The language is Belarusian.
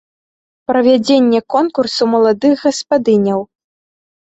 Правядзенне конкурсу маладых гаспадыняў.